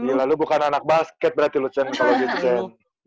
gila lu bukan anak basket berarti lo cun kalau gitu cun